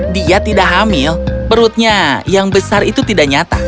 dia tidak hamil perutnya yang besar itu tidak nyata